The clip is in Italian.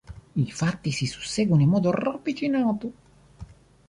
I fatti si susseguono in modo ravvicinato.